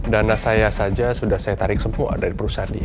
dana saya saja sudah saya tarik semua dari perusahaan dia